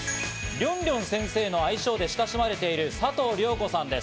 りょんりょん先生の愛称で親しまれている佐藤涼子さんです。